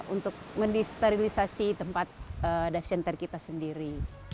untuk mendisterilisasi tempat dash center kita sendiri